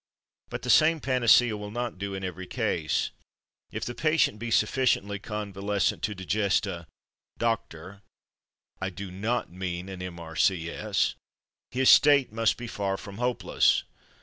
But the same panacea will not do in every case. If the patient be sufficiently convalescent to digest a Doctor (I do not mean a M.R.C.S.) his state must be far from hopeless.